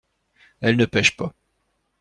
Elle ne pêche pas.